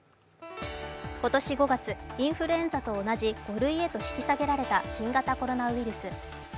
今年５月、インフルエンザと同じ５類へと引き下げられた新型コロナウイルス。